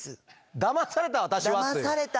「だまされた私は」っていう。